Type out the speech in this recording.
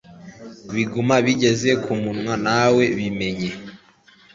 biguma bigeze ku munwa nawe bimenye